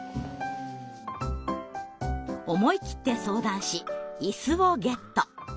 思い切って相談しイスをゲット。